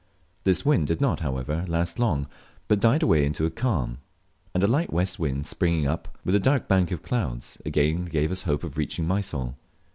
This wind did not, however, last long, but died away into a calm; and a light west wind springing up, with a dark bank of clouds, again gave us hopes of reaching Mysol.